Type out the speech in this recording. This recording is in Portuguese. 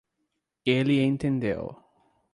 Ele entendeu